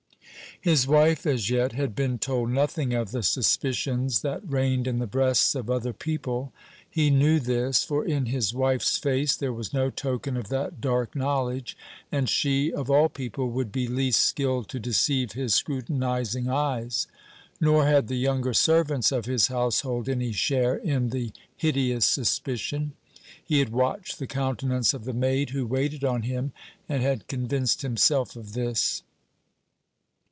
His wife, as yet, had been told nothing of the suspicions that reigned in the breasts of other people. He knew this; for in his wife's face there was no token of that dark knowledge, and she, of all people, would be least skilled to deceive his scrutinizing eyes. Nor had the younger servants of his household any share in the hideous suspicion. He had watched the countenance of the maid who waited on him, and had convinced himself of this.